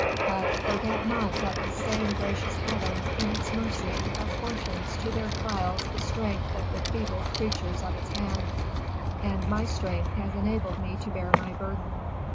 But, forget not that the same gracious Heaven, in its mercy, apportions to their trials the strength of the feeble creatures of its hand; and my strength has enabled me to bear my burden.